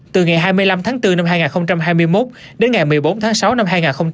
từ ngày hai mươi năm tháng bốn năm hai nghìn hai mươi một đến ngày một mươi bốn tháng sáu năm hai nghìn hai mươi ba